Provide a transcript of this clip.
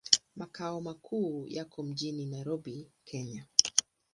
Makao makuu yako mjini Nairobi, Kenya.